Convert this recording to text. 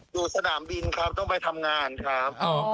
อยู่สนามบินครับต้องไปทำงานครับ